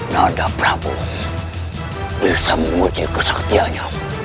nada prabowo bisa menguji kesaktianya